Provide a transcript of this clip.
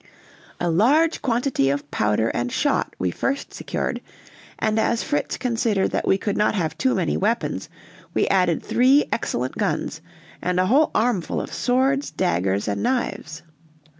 A large quantity of powder and shot we first secured, and as Fritz considered that we could not have too many weapons, we added three excellent guns, and a whole armful of swords, daggers, and knives.